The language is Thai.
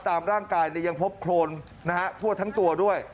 ตามร่างกายยังพบโครนทั่วทั้งตัวด้วย